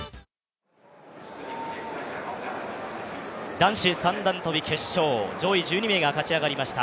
男子三段跳決勝、上位１２名が勝ち上がりました。